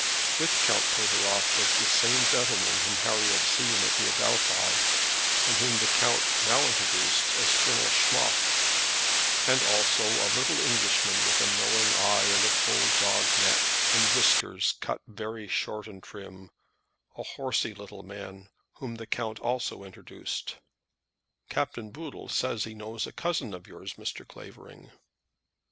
With Count Pateroff was the same gentleman whom Harry had seen at the Adelphi, and whom the count now introduced as Colonel Schmoff; and also a little Englishman with a knowing eye and a bull dog neck, and whiskers cut very short and trim, a horsey little man, whom the count also introduced. "Captain Boodle; says he knows a cousin of yours, Mr. Clavering."